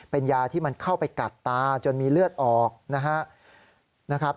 เป็นยาที่มันเข้าไปกัดตาจนมีเลือดออกนะครับ